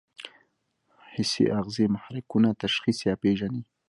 حسي آخذې محرکونه تشخیص یا پېژني.